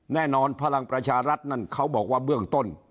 พลังประชารัฐนั่นเขาบอกว่าเบื้องต้น